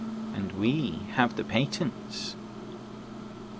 "And we have the patents...."